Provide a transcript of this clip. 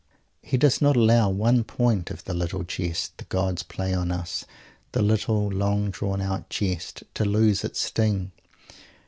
He does not allow one point of the little jest the gods play on us the little long drawn out jest to lose its sting.